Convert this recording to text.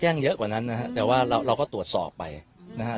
แจ้งเยอะกว่านั้นนะครับแต่ว่าเราก็ตรวจสอบไปนะครับ